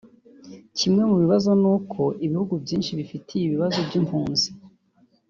Kimwe mu bibazo ni uko ibihugu byinshi byifitiye ikibazo cy’impunzi